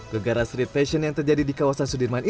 gegara street fashion yang terjadi di kawasan sudirman ini